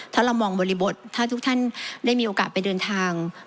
ถ้าเรามองบริบทถ้าทุกท่านได้มีโอกาสไปเดินทาง